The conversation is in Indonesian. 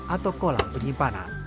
atau kolam penyimpanan